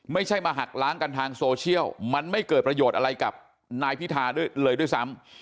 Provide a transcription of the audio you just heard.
ไม่ใช่มาหักล้างกันทางโซเชียลมันไม่เกิดประโยชน์อะไรกับนายพิธาด้วยเลยด้วยซ้ำ